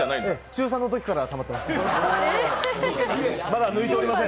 中３のときからたまっています。